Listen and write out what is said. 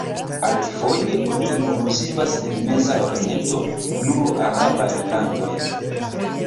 Alifoje, oni inkluzivas en "Meza Oriento" nur arabajn landojn.